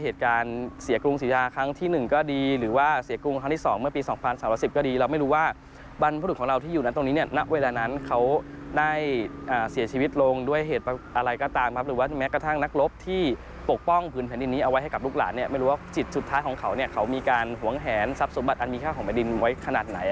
ที่สุดท้ายของเขามีการหวงแหนทรัพย์สมบัติอันมีค่าของบรรดินไว้ขนาดไหน